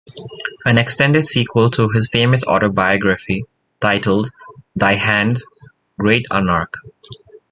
An extended sequel to his famous autobiography, titled Thy Hand, Great Anarch!